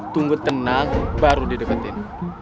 tunggu tenang baru dideketin